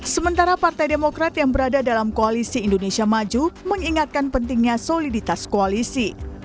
sementara partai demokrat yang berada dalam koalisi indonesia maju mengingatkan pentingnya soliditas koalisi